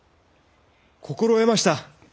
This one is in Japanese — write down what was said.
心得ました！